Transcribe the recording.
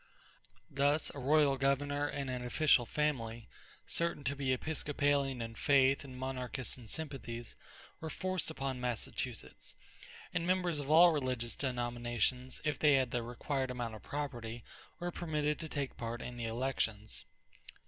Thus a royal governor and an official family, certain to be Episcopalian in faith and monarchist in sympathies, were forced upon Massachusetts; and members of all religious denominations, if they had the required amount of property, were permitted to take part in elections.